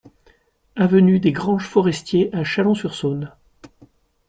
Avenue des Granges Forestiers à Chalon-sur-Saône